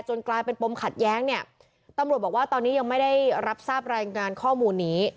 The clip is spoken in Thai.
กลายเป็นปมขัดแย้งเนี่ยตำรวจบอกว่าตอนนี้ยังไม่ได้รับทราบรายงานข้อมูลนี้